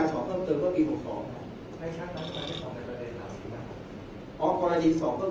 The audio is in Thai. ถ้าสอบผ่านไว้จากลุงโครงคนรุศืนต์และคนหลังโครง